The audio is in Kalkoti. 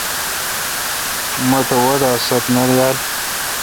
مہ تہ وادہ ست تہ یال۔